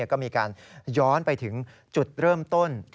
ก็มีการย้อนไปถึงจุดเริ่มต้น